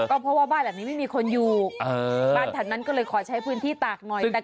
ก็เพราะว่าบ้านแบบนี้ไม่มีคนอยู่บ้านฐานนั้นก็เลยขอใช้พื้นที่ตากหน่อยแต่ก็มาบ่อย